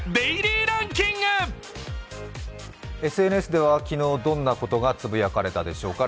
ＳＮＳでは昨日どんなことがつぶやかれたでしょうか。